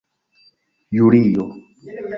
julio